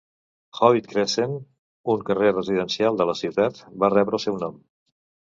Howitt Crescent, un carrer residencial de la ciutat, va rebre el seu nom.